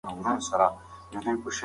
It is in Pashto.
ایا سهار وختي لمر په غره راوخوت؟